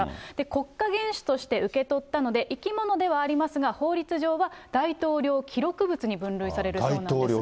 国家元首として受け取ったので、生き物ではありますが、法律上は大統領記録物に分類されるそうなんです。